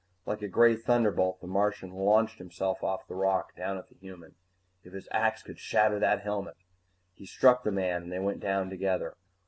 Like a gray thunderbolt, the Martian launched himself off the rock, down at the human. If his axe could shatter that helmet He struck the man and they went down together.